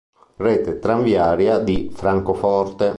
Rete tranviaria di Francoforte